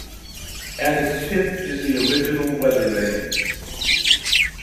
At its tip is the original weather vane.